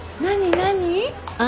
何？